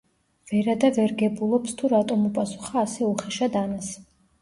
ვერა და ვერ გებულობს თუ რატომ უპასუხა ასე უხეშად ანას.